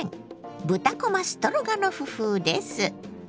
「豚こまストロガノフ風」です。